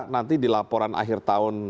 nanti di laporan akhir tahun